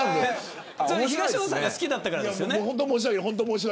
東野さんが好きだったからですよね。